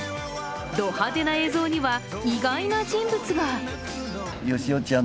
ド派手な映像には、意外な人物が。